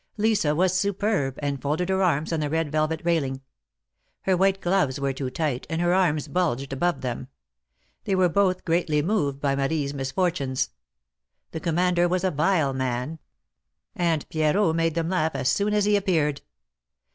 Lisa was superb, and folded her arms on the red velvet railing. Her white gloves were too tight, and her arms bulged above them. They were both greatly moved by Marie's misfortunes. The commander was a vile man ; and Pierrot made them laugh as soon as he appeared.